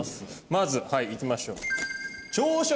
まずはいいきましょう。